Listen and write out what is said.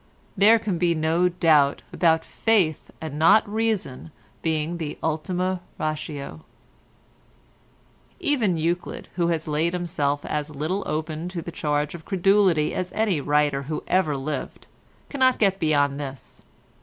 There can be no doubt about faith and not reason being the ultima ratio. Even Euclid, who has laid himself as little open to the charge of credulity as any writer who ever lived, cannot get beyond this.